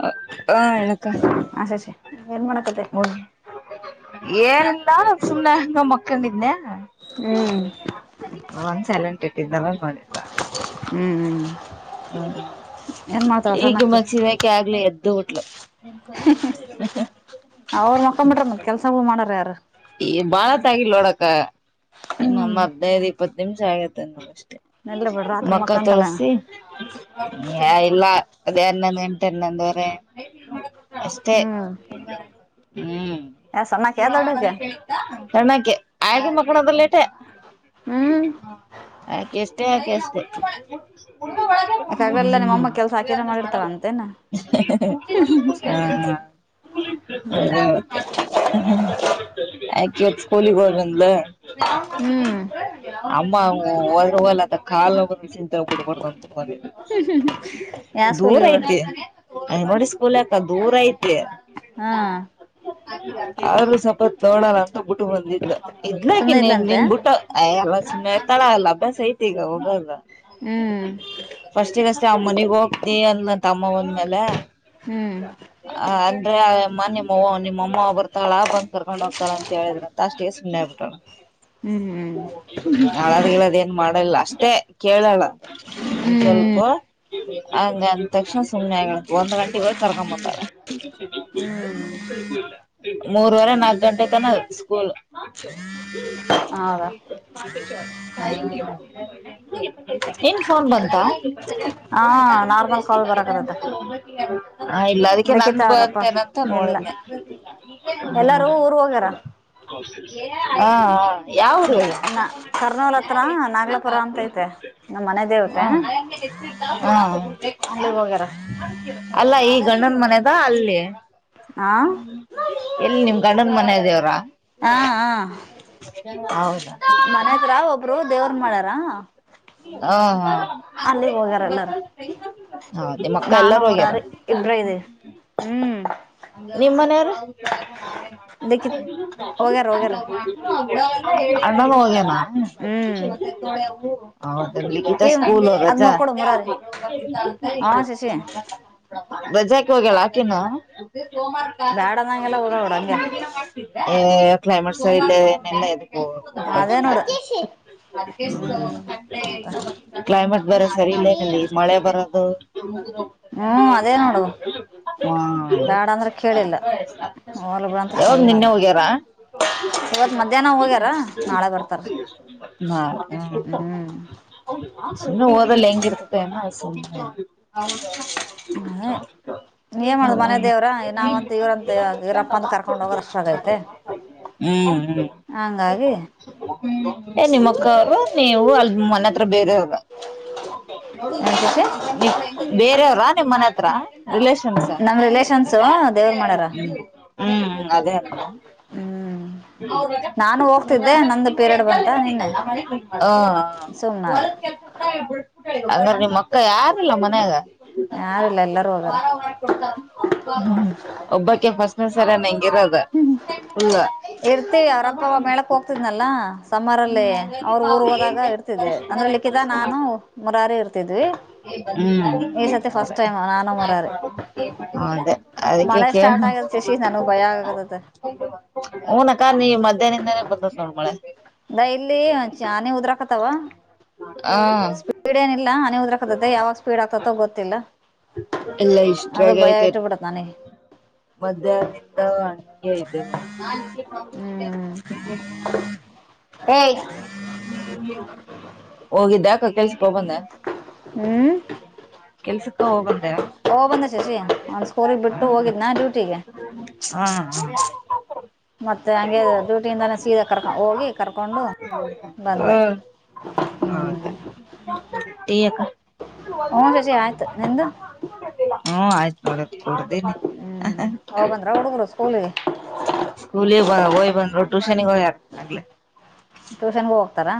ಹ ಹೇಳ್ ಅಕ್ಕ ಹ ಶಶಿ ಏನ್ ಮಾಡಕತ್ತೆ [unintelligible] ಏನಿಲ್ಲ ಸುಮ್ಮ್ನೆ ಅಂಗೇ ಮಲ್ಕೊಂಡಿದ್ನ ಹ್ಮ್ ಫೋನ್ ಚಾಲೆಂಟ್ ಇಟ್ಟಿದ್ನಲ್ಲ ನೋಡಿಲ್ಲ ಹ್ಮ್ ಹ್ಮ್ ಹ್ಮ ಏನ್ ಮಾಡ್ತಾಳ ಈಗ ಸಣ್ಣಾಕಿ ಮಗ್ಸಿದಾಕೆ ಆಗ್ಲಿ ಎದ್ದು ಬಿಟ್ಲು ಅವ್ರು ಮಕ್ಕಕೊಂಬಿಟ್ರ ಕೆಲ್ಸ [unintelligible] ಮಾಡಾರ ಯಾರ ಈ ಬಾಳತ್ತ್ ಆಗಿಲ್ ನೋಡಕ್ಕ ಹ್ಮ್ ಇನ್ನೊಮ್ಮ್ ಹದಿನೈದ್ ಇಪ್ಪತ್ ನಿಮಿಷ ಆಗೇತ್ತ ನೋಡಷ್ಟ ಎಲ್ಲ ಬಿಡ್ರ ರಾತ್ರಿ ಮಕ ಮಕ್ಕಂತಳ ತೊಳ್ಸಿ ಎ ಇಲ್ಲ ಅದೇ ಹನ್ನೊಂದದ್ [unintelligible] ಎಂಟು ಅನ್ನಂದವ್ರ ಅಷ್ಟ ಹ್ಮ್ ಹ್ಮ್ ಯ ಸಣ್ಣಾಕ್ಯ ದೊಡ್ಡಾಕ್ಯ [inaudible] [unintelligible] ಸ್ಣಕ್ಕೆ ಆಯಕು ಮಕ್ಕಳದಲ್ಲೇಟೆ ಹ್ಮ್ ಆಕೆ ಅಷ್ಟೇ ಯಾಕೆ ಅಷ್ಟೇ ಯಾಕಾಗ್ಲೆಲ್ಲ ನಿಮ್ಮಮ್ಮ ಕೆಲ್ಸ ಹ್ಮ ಹಾಕಿರ ಮಾಡಿರ್ತಾಳ ಅಂತೇನ [inaudible] ಮತ್ತ ಹ [unintelligible] ಆಕೆ ಈಗ್ ಸ್ಕೂಲ್ಗೆ ಹೋಗಿ ಬಂದ್ಳು ಹ್ಮ್ ಅಮ್ಮ ಹೋದ್ರ್ ಹೊಲ್ ಅದ [unintelligible] ಕಾಲ್ೋಗರು ವಿ ಚಿೋಗ್ಬಿಡ್ಬ ಯಾ ದೂರ ಸ್ಕೂಲಿಗೆ ಹೋಗಲ್ ಐತೆ ಅ [unintelligible] ನೋಡ ಸ್ಕೂಲ್ ಯಕ ದೂರ ಐತೆ ಹಾ ಆದ್ರೂ ಸಪ್ [unintelligible] ನೋಡೋಣ ಅಂತ ಬಿಟ್ಟು ಬಂದಿದ್ಲ್ ಇದ್ಲಾಕ ಸುಮ್ನೆ ನೀ ಇದ್ಲಂತೆ ನಿನ್ ಬುಟ್ ಅಯಲ್ಲ ಸುಮ್ ಇರ್ತಾಳ ಅಲ್ಲ ಅಭ್ಯಾಸ ಐತೆ ಈಗ ಹೋಗಲ್ಲ ಹ್ಮ್ ಫಸ್ಟಗಷ್ಟೇ ಅವ್ ಮನೆಗ್ ಹೋಗ್ತಿ ಅಂದ್ಳಂತೆ ಅಮ್ಮ ಒಂದ್ಮೇಲೆ ಹ್ಮ್ ಅ ಅಂದ್ರೆ ಅಮ್ಮ [unintelligible] ನಿಮ್ಮ ನಿಮ್ಮಮ್ಮ ಬರ್ತಾಳಾ ಬಂತ ಕರ್ಕೊಂಡ ಹೋಗ್ತಳ ಅಂತ ಹೇಳಿದ್ರ ಅಷ್ಟಿಗೆ ಸುಮ್ನೆಗ್ಬಿಟ್ಟಳ ಹ್ಮ್ ಹ್ಮ್ ಅಳದ್ ಗಿಳಾದ್ ಏನ್ ಮಾಡಲ್ಲ ಅಷ್ಟೇ ಕೇಳಲ್ಲ ಒಂದ್ ಸ್ವಲ್ಪ ಹ್ಮ್ ಹಂಗ ಅಂತ್ ತಕ್ಷಣ ಸುಮ್ನೆ ಆಗ ಒಂದ್ ಗಂಟೆಗ್ ಹೋಗ್ ಕರ್ಕೊ ಬಂದಳ ಹ್ಮ್ ಮೂರುವರೆ ನಾಕ್ ಗಂಟೆ ತನ ಸ್ಕೂಲ್ [inaudible] ಹೌದಾ ಹ್ಮ್ ಏನ್ ಫೋನ್ ಬಂತ ಹಾ ನಾರ್ಮಲ್ ಕಾಲ್ ಬರಕತತ್ತ ಹ ಇಲ್ಲ ಅದಕ್ಕೆ ಲಿಖಿತ ನಂದ ಅವ್ರಪ್ಪ ಇಲ್ಲ ಬಂತೇನೆ ಎಲ್ಲರೂ ಊರು ಹೋಗ್ಯಾರ [unintelligible] [inaudible] ಹಾ ಹ ನ- ನ ಯಾವ ಕರ್ನೂಲ್ ಹತ್ರ ಊರು ನಾಗ್ಲಾಪುರ ಅಂತ ಐತೆ ನಿಂದು ನಮ್ಮ ಮನೆ ದೇವತೆ ಹ್ಮ್ - ಅಲ್ಲಿಗೆ ಹ್ಮ್. ಹೋಗ್ಯಾರ ಅಲ್ಲ ಈ ಗಂಡನ ಮನಿದ ಅಲ್ಲಿ. ಆ. ಎಲ್ಲಿ ನಿಮ್ ಗಂಡನ್ ಮನೆ ದೇವ್ರಾ. ಆ ಆ ಹೌದಾ ಮನೆ ಹತ್ರ ಒಬ್ರು ದೇವ್ರ ಮಾಡಾರ. [inaudible] ಹೋಗ್ಯಾರ ಎಲ್ಲಾರು ನಿಮಕ್ಕ ನಾನು ಎಲ್ಲಾರು ಹೋಗ್ಯಾರ. ಮುರಾರಿ ಇಬ್ರ ಇದೀವಿ ಹ್ಮ್. ನಿಮ್ಮನೇವರು. ಬೇಕಿ ಹೋಗ್ಯಾರ ಹೋಗ್ಯಾರ ಅಣ್ಣಾನ ಹೋಗನಾ. ಹ್ಮ್. ಹಾ. ಈ ಸ್ಕೂಲ್ ಅದ್ ರಜೆ. ನೋಡ್ಕೊಡು ಮುರಾರಿ ಹಾ ಶಶಿ ಬಜಾಕ ಹೋಗ್ಯಲ್ಲ ಆಕನು. ಬ್ಯಾಡ ಅನ್ನಂಗೆಲ್ಲ ಹೋಗಲ್ಲ ನೋಡು ಹಂಗೆ ಕ್ಲೈಮೇಟ್ಸ್ ಇಲ್ಲೆಲ್ಲ ಎದುಕ್ಕ. ಹ ಅದೇನೋಡ. ಕ್ಲೈಮೇಟ್ ಬರ ಸರಿ ಇಲ್ಲೇನಲ್ಲಿ ಮಳೆ ಬರೋದು. ಹ್ಮ್ ಅದೇ ನೋಡು [inaudible] ಬ್ಯಾಡ ಅಂದ್ರ ಕೇಳಿಲ್ಲ ಹೋಗ್ಲಿ ಬಿಡು ಅಂತ ಯಾವಾಗ ನಿನ್ನೆ ಸುಮ್ನಾದ ಹೋಗ್ಯಾರ. ಇವತ್ ಮಧ್ಯಾಹ್ನ ಹೋಗ್ಯಾರ ನಾಳೆ ಬರ್ತಾರ ಹ್ಮ್ [unintelligible] ಸುಮ್ಮ ಓದಲ್ ಹೆಂಗಿರ್ತತೆ ಅಸಲಿಗೆ. ಅ ನೀ ಏ ಮಾಡುದು ಮನೆ ದೇವ್ರ. ನಾವ್ಂತ ಇವ್ರಂತ ಇವ್ರಪ್ಪ ಅಂತ ಕರ್ಕೊಂಡ್ ಹೋಗೋದ ಅಷ್ಟ ಆಗೈತೆ. ಹ್ಮ್ ಹ್ಮ್ ಹಂಗಾಗಿ. ಏ ನಿಮ್ಮಕ್ಕ ಅವರು ನೀವು ಅಲ್ ಮನೆ ಹತ್ರ ಬೇರೆವರು. ಏನ್ ಖುಷಿ ಬೇರೆಯವ್ರ ನಿಮ್ ಮನೆ ಹತ್ರ ರಿಲಷನ್ಸ್. ನಮ್ ರಿಲೇಷನ್ಸು ದೇವ್ರ ಮಾಡ್ಯಾರ ಹ್ಮ್ ಅದೇ. ಹ್ಮ್. [unintelligible] ನಾನು ಹೋಗ್ತಿದ್ದೆ ನಂದು ಪೀರಿಯಡ್ ಬಂತ ನಿನ್ನೆ ಸುಮ್ನಾದೆ ಅಂದ್ರ ನಿಮ್ಮ ಅಕ್ಕ ಯಾರಲ್ಲ ಮನ್ಯಾಗ. ಯಾರಿಲ್ಲ ಎಲ್ಲರೂ ಹೋಗ್ಯಾರ ಹ ಒಬ್ಬಕ್ಕೆ ಫಸ್ಟ್. ಹ ಸರ ನ ಹೆಂಗಿರೋದುಲ್ಲ. ಹೋಗ್ತಿದೆನಲ್ಲ. ಸಮ್ಮರ ಅಲ್ಲಿ ಅವ್ರರು ಊರ್ ಹೋದಾಗ ಇರ್ತಿದ್ದೇ ಅಂದ್ರೆ ಲಿಖಿತ ನಾನು ಮುರಾರಿ ಇರ್ತಿದ್ವಿ. ಈ ಸತಿ ಫಸ್ಟ್ ಅದೇ ಟೈಮ್ ನಾನ ಮರ್ರ ಅದೇ ಅದಕ್ಕೆ ಮಳೆ ಸ್ಟಾರ್ಟ್ ಆಗ. ಸಸಿ ನನು ಭಯ ಆಗದ ಅದ. ಹಊನ ಅಕ್ಕ ನೀ ಮಧ್ಯಾಹ್ನದಿಂದಾನೇ ಬಂದ ನೋಡ್ ಮಳೆ. ಅ ಇಲ್ಲಿ ಚಾನಿ ಉದ್ರಾಕತಾವ. ಆ ಸ್ಪೀಡ್ ಏಲ್ಲ ಹ ಉದ್ರರಕತತೆ ಯಾವಾಗ ಸ್ಪೀಡ್ ಆಗ್ತೋ ಗೊತ್ತಿಲ್ಲ. ಎಲ್ಲ ಅದು ಭಯ ಇಟ್ಟು ಬಿಡತಾನೇ. ಮಧ್ಯಾಹ್ನ ಇದ್ದವ. ಹ್ಮ್ [inaudible] ಏ. ಹೋಗಿದ್ದಕ್ಕ ಕೆಲ್ಸ. ಹೋಗಿ ಬಂದೇನ ಹ್ಮ್ ಕೆಲ್ಸಕ ಹೋಗ್ ಬಂದ್ಯಾ ಹೋಗ್ ಬಂದೆ ಶಶಿ ಅವ್ನ್ ಸ್ಕೂಲಿಗೆ ಹ ಬಿಟ್ಟು ಹ ಹೋಗಿದ್ನ ಡ್ಯೂಟಿಗೆ ಹಾ ಮತ್ತೆ ಹಂಗೆ ಡ್ಯೂಟಿಯಿಂದಾನೇ ಸೀದಾ ಕರ್ಕೊಂಡ ಹೋಗಿ ಕರ್ಕೊಂಡು ಬಂದೆ. ಅದೇ ಹ್ಞೂ ಟಿ ಅಕ್ಕಾ ಒಂದೇ ಶಶಿ ಒಂದು ಆಯ್ತು ನಿಂದು ಆಯ್ತು ನೋಡ ಕೂಡ [unintelligible] ಹುಂ ಹೋಗಿ ಬಂದ್ರಾ ಹುಡುಗರು ಸ್ಕೂಲಿಗೆ ಸ್ಕೂಲ್ ಗೆ ಹೋಗಿ ಬಂದು ಟ್ಯೂಷನಿಗೆ ಹೋಗಯಾಕ ಆಗ್ಲೇ ಟ್ಯೂಷನ್ಗೂ ಹೋಗ್ತಾರಾ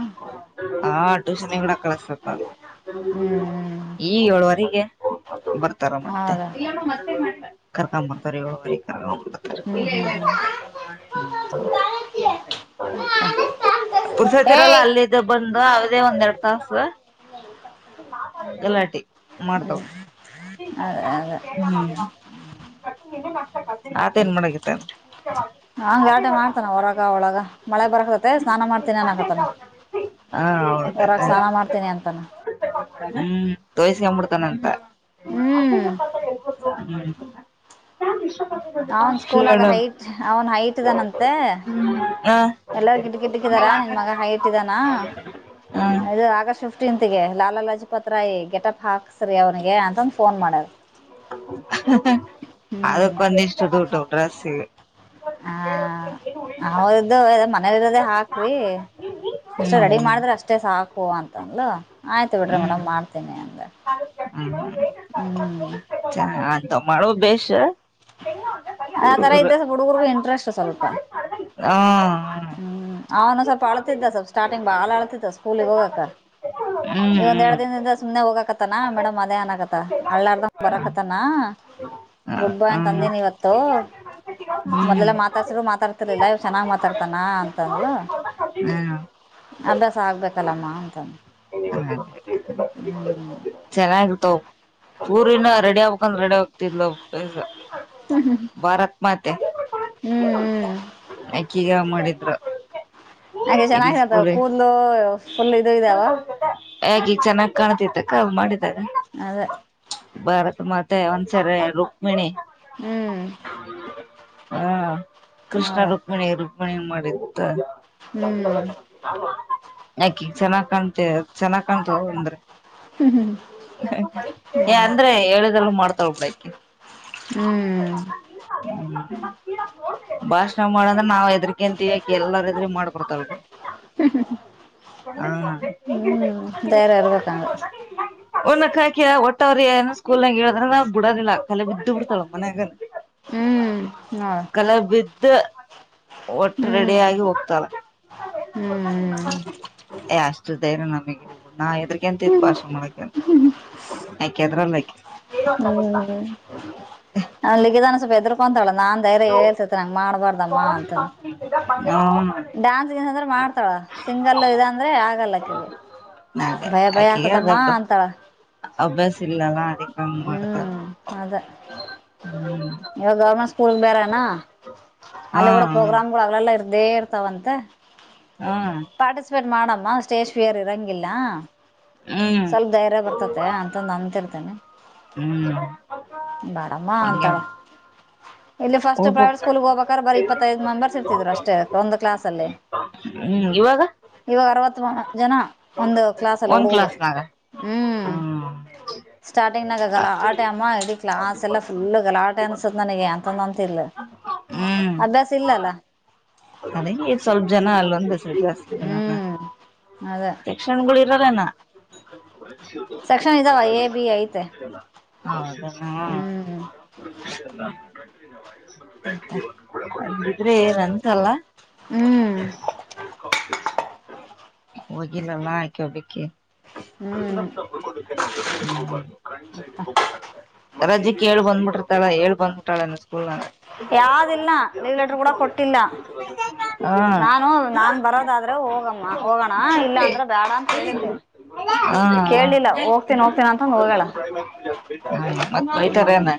ಹಾ ಟ್ಯೂಷನ್ ಕೂಡ ಅ ಕಳಿಸಿತಾರ ಹ್ಮ್ ಈ ಏಳುವರೆಗೆ ಬರ್ತಾರ ಮತ್ತೆ ಹೌದಾ [unintelligible] ಇಲ್ಲಾ ಹ್ಮ್ ಹ್ಮ್ ಹ್ಮ್ ಇಲ್ಲಾ ಮಾಡಿಲ್ಲ ಪುರುಸೊತ್ತಿರಲ್ಲಾ ಏಯ್ ಅಲ್ಲಿದ್ದ ಬಂದು ಅವದೇ ಒಂದ ಎರಡ್ ತಾಸು ಗಲಾಟಿ ಮಾಡ್ತವ [unintelligible] [unintelligible] ಅದ ಅದ ಹುಂ ಆತ ಏನ್ ಮಾಡಕಹತ್ತಾನ್ ಹಂಗ ಗಲಾಟೆ ಮಾಡ್ತಾನ ಹೊರಗ ಒಳಗ ಮಳೆ ಬರತತೆ ಸ್ನಾನ ಮಾಡ್ತನೇ ಆನಾಕತಾನ್ ಹಾ ಹೌದೆನ್ ಸ್ನಾನ ಮಾಡ್ತೀನಿ ಅಂತಾನ ಹ್ ತೋಯಸ್ಕಂಬಿಡ್ತಾನಂತ ಹ್ಮ್ [unintelligible] ಅವನ್ ಸ್ಕೂಲಾಗ ಹೈಟ್ ಅವನ್ ಹೈಟ್ ಇದಾನಂತೆ ಹಾ ಎಲ್ಲಾರೂ ಗಿಟಕಿಟ್ಟಕ್ಕಿದಾರ ನಿನ್ ಮಗಾ ಹೈಟ್ ಈದಾನ ಹಾ ಇದು ಆಗಸ್ಟ್ ಫಿಫ್ಟ್ ಪಿಪೀಟ್ಟಂತಿಗೆ ಲಾಲ ಲಜಪತ್ ರಾಯಿ ಗೆಟಪ್ ಹಾಕ್ಸ್ರಿ ಅವನಿಗೆ ಅಂತಂದು ಫೋನ್ ಮಾಡಾರ್ ಅದಕ್ಕ ಒಂದಿಷ್ಟು ದುಡ್ಡು ಡ್ರೆಸ್ಸಿಗೆ. ಹ ಅವ್ರ್ದು ಮನೇಲಿರೋದೆೇ ಹಾಕ್ರಿ ಹ್ಮ್ ಅಷ್ಟೇ ರೆಡಿ ಹ್ಮ್ ಮಾಡಿದ್ರೆ ಅಷ್ಟೇ ಸಾಕು ಅಂತಂದ್ಲು ಆಯ್ತು ಬಿಡ್ರಿ ಮೇಡಮ್ ಮಾಡ್ತೀನಿ ಅಂದೆ ಹೂ ಹ್ಮ್ ಚೆನ್ನಾಗಿ ಮಾಡುದು ಬೇಸ್ ಆ ತರಾ ಇದ್ದ ಹುಡುರ್ಗೂ ಇಂಟ್ರೆಸ್ಟ್ ಸ್ವಲ್ಪ್ ಹ ಹು ಹುಂ ಅವನು ಸ್ವಲ್ಪ ಅಳತ್ತಿದ್ದ ಸ್ವಲ್ಪ್ ಸ್ಟಾರ್ಟಿಂಗ್ ಬಾಳ ಅಳತಿದ್ದಾ ಸ್ಕೂಲಿಗೆ ಹೋಗಕೆ ಹ್ಮ್ ಈಗ ಒಂದ್ ಹ್ಮ್ ಎರಡು ದಿನದಿಂದ ಸುಮ್ನೆ ಹೋಗಾಕತ್ತ ಮೇಡಮ್ ಅದೇ ಅನಾಗತ್ತ ಅಳ್ಳಾರದ್ ಬರಕತನಾ ಗುಡ್ ಬಾಯ್ ಅಂತಾ ಹ್ಮ್ ಹ್ಮ್ ತಂದೆನ ಇವತ್ತು ಮೊದಲ ಮಾತಡ್ಸಿದ್ರು ಮಾತಾಡುತ್ತಿರಲ್ಲಿಲ್ಲಾ ಇವಾಗ ಚೆನ್ನಾಗಿ ಮಾತಾಡ್ತಾನ ಅಂತಂದ್ಲೂ ಹುಂ ಅಭ್ಯಾಸ ಆಗ್ಬೇಕಲ್ಲಮ್ಮ ಅಂತಂದೇ [unintelligible] ಹುಂ ಚೆನ್ನಾಗಿತಾವ ಊರಿನ ರೆಡಿ ಆಗ್ಕಂದ ರೆಡಿ ಆಗ್ತಿದ್ಲು ಬ್ಯಸ ಭಾರತ ಮಾತೆ ಹುಂ ಅಕ್ಕಿಗೆ ಮಾಡಿದ್ರ ಆಕೆ ಚೆನ್ನಾಗಿ ಇದಾಳೆ ಕೂದಲು ಫುಲ್ ಇದು ಇದ್ದಾವೆ ಹೇಗಿ ಚೆನ್ನಾಗ್ ಕಾಣತಿತ್ತಕ್ಕ ಅವ ಮಾಡಿದಾಗ ಅದ ಭಾರತ್ ಮಾತೆ ಒಂದ್ಸರೆ ರುಕ್ಮಿಣಿ ಹ್ಮ್ ಹಾ ಕೃಷ್ಣ ಹೌದಾ ರುಕ್ಮಿಣಿ ರುಕ್ಮಿಣಿ ಮಾಡಿತ್ತ ಹ್ಞೂ ಆಕಿ ಚೆನ್ನಾಗ್ ಕಾಣ್ತೆ ಚೆನ್ನಾಗ ಕಾಣ್ತೇ ಅಂದ್ರೆ ಹ್ಮ್ ಹ್ಮ್ ಏ ಅಂದ್ರೆ ಹೇಳಿದಲ್ ಮಾಡ್ತಾಳ ಬಿಡಕಿ ಹ್ಮ್ ಹ್ಮ್ ಭಾಷಣ ಮಾಡಂದ್ರೆ ನಾವ್ ಹೆದರಿಕೆಂತವಿ ಆಕಿ ಎಲ್ಲಾರ ಎದ್ರ ಮಾಡ್ಬತಲ್ [unintelligible] ಹ್ಞೂ ಹೇಗಿರ್ಬೇಕು ಅಂತ ನೀ ಧೈರ್ಯ ತೋರ್ಬೇಕ ಇರ್ಬೇಕಂದ್ರೆ ಅಂತ ಒಣಕ್ಕ ಹಾಕಿ ಒಟ್ಟವ್ರ ಏನ ಸ್ಕೂಲ್ನಂಗ ಹೇಳದ್ರ ನಾವ್ ಬಿಡೋದಿಲ್ಲ ಕಲೆ ಬಿದ್ದ್ ಬಿಡ್ತಾಳ ಮನ್ಯಾಗ ಹ್ಞೂ ನೋಡು ಕಲಬಿದ್ದ ಒಟ್ಟ ಹ್ಞೂ ರೆಡಿ ಆಗಿ ಹೋಗ್ತಳ ಹ್ಞೂ ಏ ಅಷ್ಟು ಧೈರ್ಯ ನಮಗೆ ನಾ ಎದ್ರಕಂತ ಇದ್ ಭಾಷೆ ಮಾಡಕ ಯಾಕೆ ಎದ್ರಲಾ ಆಕಿ [unintelligible] ಅವನ್್ಿಗದಾನ ಸ್ವಪ ಎದ್ರಕೊಂತಳ [unintelligible] ನಾನ್ ೈ್ಯ ಹೇಳ್ತತೆ ನಂಗ ಮಾಡಬಾರ್ದ ಅಮ್ಮ ಅಂತ ಹಾ ಡಾನ್ಸ್ ಗಿನ್ಸ್ ಅಂದ್ರೆ ಮಾಡ್ತಾಳ ಸಿಂಗಲ್ಲ ಇದ ಅಂದ್ರೆ ಆಗಲ್ಲಕ್ಕಗೆ ಅದೇ ಭಯ ಭಯ ಆಕಿಗೆ ಆಕತಮ್ಮ ಅದ ಅಂತಳ ಅಭ್ಯಾಸ ಇಲ್ಲಲ್ಲ ಅದಕ್ಕ ಮಾಡತಾರೆ ಅದ ಹ್ಮ ಇವಾಗ ಗೌರ್ಮೆಂಟ್ ಸ್ಕೂಲ್ ಬೇರೆನಾ ಹಾ ಅಲ್ಲಿ ಕೂಡ ಪ್ರೋಗ್ರಾಮ್ ಗಳು ಅವಗಳೆಲ್ಲಾ ಇರ್ದೇ ಇರ್ತಾವಂತ ಹಾ ಪಾರ್ಟಿಸಿಪೇಟ್ ಮಾಡಮ್ಮ ಸ್ಟೇಜ್ ಫಿಯರ್ ಇರಂಗಿಲ್ಲ ಹ್ಮ್ ಹ್ಮ್ ಸ್ವಲ್ಪ ಧೈರ್ಯ ಬರ್ತತೆ ಅಂತಂದು ಅಂತಿರ್ತಾನೆ ಹ್ಮ್ ಬ್ಯಾಡಮ್ಮ ಹಂಗೆ ಅಂತಾಳ ಇಲ್ಲಿ ಫಸ್ಟ್ ಪ್ರೈವೇಟ್ ಹೋಗ್ಬಕ್ ಸ್ಕೂಲ್ ಗೆ ಹೋಗಬೇಕ್ರ ಬರ ಇಪ್ಪತ್ತೈದು ಮೆಂಬರ್ಸ್ ಇರ್ತಿದರು ಅಷ್ಟೇ ಒಂದು ಕ್ಲಸ್ ಅಲ್ಲಿ ಹ್ಮ್ ಇವಾಗ ಇವಾಗ ಅರವತ್ ಜನ ಒಂದು ಕ್ಲಾಸ್ ಲಿ ಒಂದ್ ಹುಡುಗರು ಕ್ಲಾಸ್ನಾಗ ಹ್ಮ್ ಸ್ಟಾರ್ಟಿಂಗ್ನ ಗಲಾಟೆ ಅಮ್ಮ ಇಡಿ ಕ್ಲಾಸೆಲ್ಲ ಫುಲ್ ಗಲಾಟ [unintelligible] ಅನ್ಸತ್ ನನಗೆ ಅಂತಂದಂತ ಇಲ್ ಅಭ್ಯಾಸ ಇಲ್ಲಲ್ಲ ಅದ ಈ ಸ್ವಲ್ಪ ಜನ ಅಲ್ಲೊಂದು ಜಾಸ್ತಿ ಇದನಲ್ಲ ಹ್ಮ್ ಅದೇ ಣ [unintelligible] [inaudible] ಸೆಕ್ಷನ್ ಇದಾವ ಎ ಬಿ ಐತೆ ಹ್ಮ್ ಹ್ಮ್ [inaudible] ಅಂಗಿದ್ರೆ ಏನ್ ಅನ್ಸಲ್ಲ ಹ್ಮ್ ಹೋಗಿಲ್ಲ ನಾ [unintelligible] ಆಕಬೇಕಕ್ಕೆ [unintelligible] ಹ್ಮ್ ಕಕ್ಕೆ ನವುೈ ಹೋಗಬಾರ್ದು ಕಂಡ್ ಹೋಗ್ಬೇಕಾಗುತ್ತೆ ರಜೆಕ್ ಹೆಳ್ ಹೇಳ್ಬಬನ್ಬಿಟ್ಟಿರ್ತಿಳ ಹೇಳ್ಬನ್ಬಿಟ್ಟಾಳ ಸ್ಕೂಲ್ ನಾಗ ಯಾವಿಲ್ಲ ಲೀವ್ ಲೆಟರ್ ಕೂಡ ಕೊಟ್ಟಿಲ್ಲ ಹ [inaudible] ನಾನು ನಾನ್ ಬರೋದಾದ್ರೆ ಹೋಗಮ್ಮ ಹೋಗೋಣ ಇಲ್ಲ ಅಂದ್ರ ಬೇಡ ಅಂತ ಹೇಳಿದ್ದೆ ಹಾ ಕೇಳಿಲ್ಲ ಹೋಗ್ತನಿ ಹೋಗ್ತೀನ ಅಂತಂದು ಹೋಗ್ಯಾಳ ಹ್ಮ್ [inaudible] ಹಾ ಮತ್ ಹ್ಮ್ ಬೈತಾರೆನ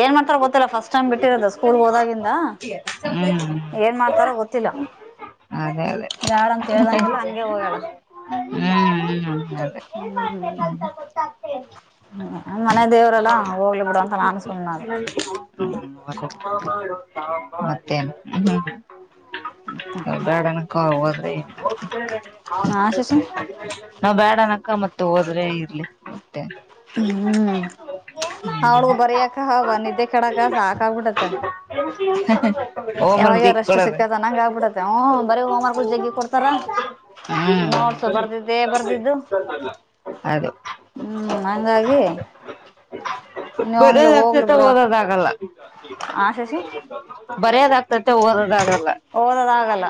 ಏನ್ ಮಾಡ್ತಾರ ಗೊತ್ತಿಲ್ಲ ಫಸ್ಟ್ ಟೈಮ್ ಬಿಟ್ಟಿರೋದು ಸ್ಕೂಲ್ಗೆ ಹೋದಾಗಿಂದ ಹ್ಮ್ ಏನ್ ಮಾಡ್ತಾರ ಗೊತ್ತಿಲ್ಲ ಅದೇ ಯಾರಂತ ಹೇಳ್ದಂಗೆಲ್ಲ ಹಂಗೆ ಹೋಗಲ್ಲ ಹ್ಮ್ ಹ್ಮ್ ಅಂತದೆ. ಹ್ಮ್ ಹ್ಮ ನನ್ ಮನೆ ದೇವ್ರಲ್ಲ ಹೋಗ್ಲಿ ಬಿಡ ಅಂತ ನನ್ ಸುಮ್ ಹ ಮತ್ತೆ ನು. ಬ್ಯಾಡನಕ್ಕ ಹಾ ಶಶಿ [unintelligible] ನಾವ್ ಬ್ಯಾಡನ ಅಕ್ಕ ಮತ್ ಹೋದ್ರೆ ಇರ್ಲಿ. ಮತ್ತೆ ಹ್ಮ್ ಅವ್ಳಿಗು ಬರಿಯಕ ಹ ನಿದ್ದೆ ಕೆಡಕ ಸಾಕ ಆಬಿಟ್ಟತ್ತ. ಹ [unintelligible] ಯಾವಾಗ ಯವಾಗ ರಷ್ಟ್ ಸಿಕ್ಕತ ಅನ್ನಂಗ್ ಆಕ್ಬಿಡತ್ತೆವ್ ಬರೀ ಹೋಮವರ್ಕ್. ಮೂರ್ ಜಗ್ಗಿ ಕೊಡ್ತಾರ ಹ್ಮ್ ನೋಡ್ಸು ಬರ್ದಿದ್ದೆ ಬರ್ದಿದ್ದು. ಅದು ಹ್ಮ್ ಹಂಗಾಗಿ. ಬರೆ ನೀವನ್ಲಿ ಆಗ್ತತ ದೆ ಓದಕ್ ಅಗಲ್ಲ. ಹಾ ಶಶಿ. ಬರ್ಯೋದ್ ಆಗ್ತೈತೆ ಓದೋದ ಆಗಲ್ಲ. ಓದೋದ ಆಗಲ್ಲ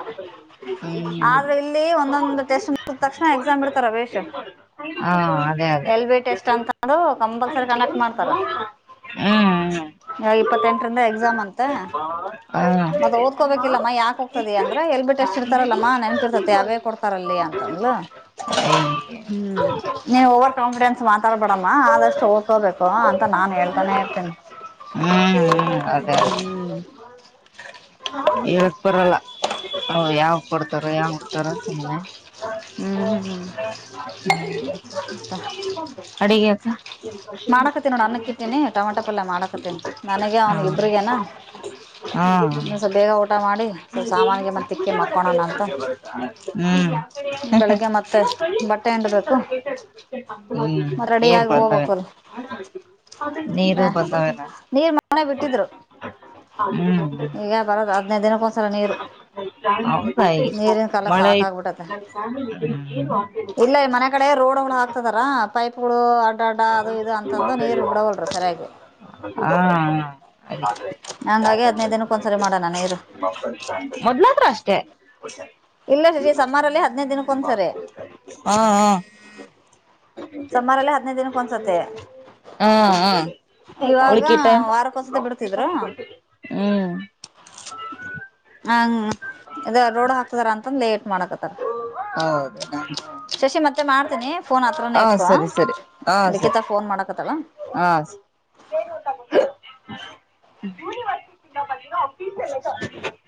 ಮಿ ಮಿ ಆದ್ರೆ ಇಲ್ಲಿ ಒಂದೊಂದು ಟೆಸ್ಟ್ ಮುಗಿದ ತಕ್ಷಣ ಎಕ್ಸಾಮ್ ಇಡ್ತಾರ ಬೇಷ್ [unintelligible] ಹಾ ಅದೇ ಅದೇ ಎಲ್ ಬಿ ಟೆಸ್ಟ್ ಅಂತಂದು [unintelligible] ಹ್ಮ್ ಹ್ಮ್ [unintelligible] ಇ ಇಪ್ಪತ್ತೆಂಟರಿಂದ ಎಕ್ಸಾಮ್ ಅಂತೆ ಹ್ಮ್ ಮತ್ ಹಾ ಓದ್ಕೋಬೇಕಿಲ್ಲಮ್ಮ ಯಾಕ್ ಹಾಕ್ ಹೋಗತದ ಅಂದ್ರ ಎಲ್ ಬಿಟ್ಟು ಎಷ್ಟು ಇಡ್ತಾರಲ್ಲಮ್ಮಾ ನೆನ್ಪಿಡ್ತತಿ ಅವೇ ಕೊಡ್ತಾರ ಅಲ್ಲಿ ಅಂತನ್ಲ. ಅಯ್ ಹ್ಮ್ ನೀವು ಓವರ್ ಕಾನ್ಫಿಡೆನ್ಸ್ ಮಾತಾಡ್ಬೇಡಮ್ಮ ಆದಷ್ಟು ಹೋಗ್ಕೋಬೇಕು ಅಂತ ನಾನ್ ಹೇಳ್ತಾನೇ ಇದ್ದೆ. ಹ್ಮ್ ಹ್ಮ್ ಅದೇ [unintelligible] ಅದೇ ಹ್ಮ್ ಹೇಳಕ್ ಬರಲ್ಲ ಯಾವ ಕೊಡ್ತಾರ ಯಾವ ಮಾಡ್ತಾರ ಸುಮ್ಮ್ನೆ. ಹ್ಮ್ ಹ್ಮ್ [unintelligible] ಅಡಿಗೆ ಅಕ್ಕ ಮಾಡಕತ್ತಿನ್ ನೋಡ ಅನ್ನಕ್ಕ ಇಟ್ಟಿನಿ ಟೊಮೆಟೊ ಪಲ್ಯ ಮಾಡಕತ್ತ ನನಗೆ ಅವ್ನಿಗೆ ಹೌದು ಇಬ್ರಗೇನಾ. ಹಾ ಇನ್ನಂದು ಸ್ ಬೇಗ ಊಟ ಮಾಡಿ. ಸ್ವಲ್ಪ ಗೆ ನು ಸಾಮಾನಿಗೆ ಮತ್ತ ತಿಕ್ಕಿ ಪೂಜೆ ಮಾಡಕ್ ಬಂದ್ರ ಮಕ್ಕೋಳೋಣ ಅಂತ [unintelligible] ಬೆಳಿಗ್ಗೆ ಮತ್ತೆ ಬಟ್ಟೆ ಹಿಂಡಬೇಕು ಹ್ಮ ಮತ್ ರೆಡಿಯಾಗಿ ಹೋಗ್ಬೇಕಲ್ [unintelligible] ನೀರು ಬಂದವೆನಾ ನೀರ್ ಮನೆ ಹ್ಮ್. ಎ ಬಾರದ್ ಆತ್ ಹದಿನೈದ್ ದಿನಕ್ಕೋಸರ ನೀರು. ಹತಾಯ ನೀರಿನ ಕಾಲ ಮಳೆ ಸಾಕಾಗ್ಬಿಟ್ಟತೆ ಇಲ್ಲ ಮನೆ ಈ [unintelligible] ಕಡೆ ರೋಡ್ಗಳು ಹಾಕ್ತದಾರ ಪೈಪ್ ಗಳು ಅಡ್ಡ ಅಡ್ಡ ಅದು ಇದು ಅಂತಂದು ನೀರ್ ಬಿಡವಲ್ರ ಸರಿಯಾಗಿ. ಹ್ಮ ಹಂಗಾಗಿ ಹದ್ನೈದು ದಿನಕ್ಕೆ ಒಂದ್ಸರಿ ಮಾಡೋಣ ನೀರು [unintelligible] ಮೊದ್ಲತ್ರ ಅಷ್ಟೆ. ಇಲ್ಲ ಶಶಿ ಸಮ್ಮರ್ ಅಲ್ಲೆ ಹದಿನೈದ ದಿನಕ್ ಒಂದ್ಸರಿ. ಹಾ ಹಾ ಸುಮ್ಮಾರಲ್ಲೆ ಹದ್ನೈದು ದಿನಕ್ ಒನ್ಸ ಸಾರಿ. ಹ್ಮ ಹ್ಮ್ ಉಳ್ ಕಿಟ್ಟೆ ವಾರಕ್ಕೊಂದ್ಸತಿ ಬಿಡ್ತಿದ್ರು ಹ್ಮ್ ಹ ಇದ ರೋಡ್ ಹಾಕ್ತದಾರ ಅಂತಂದ ಲೇಟ್ ಮಾಡಕತ್ತಾರ. ಹೌದ. ಶಶಿ ಮತ್ತೆ ಮಾಡ್ತೀನಿ ಫೋನ್ ಹತ್ರನೇ ಇಟ್ಕೊ ಸರಿ ಲಿಖಿತ ಫೋನ್ ಮಾಡಕತ್ತಲ್ಲ. ಹ್ಮ ಯೂನಿವರ್ಸಿಟಿಯಿಂದ ಬಂದಿರೋ ಆಫೀಷಿಯಲ್ ಲೆಟರ್